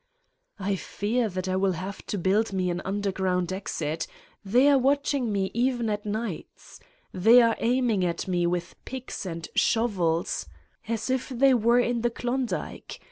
"I fear that I will have to build me an under ground exit : they are watching me even at nights. They are aiming at me with picks and shovels, as 109 Satan's Diary if they were in the Klondike.